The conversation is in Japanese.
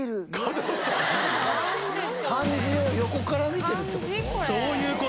漢字を横から見てるってこと？